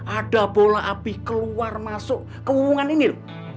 ada bola api keluar masuk ke hubungan ini lho